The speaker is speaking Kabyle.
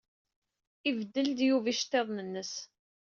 Ibeddel-d Yuba iceḍḍiḍen-nnes.